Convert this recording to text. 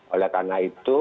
oleh karena itu